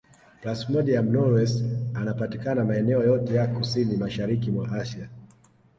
Plasmodium knowlesi anapatikana maeneo yote ya kusini mashariki mwa Asia